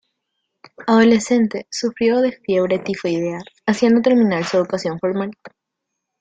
Adolescente, sufrió de fiebre tifoidea, haciendo terminar su educación formal.